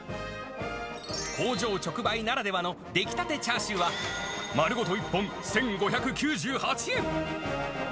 工場直売ならではの出来たてチャーシューは、丸ごと１本１５９８円。